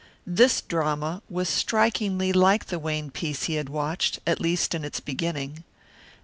This drama was strikingly like the Wayne piece he had watched, at least in its beginning.